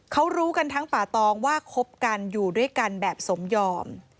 เขารู้กันทั้งป่าตองว่าคบกันอยู่ด้วยกันแบบสมยอม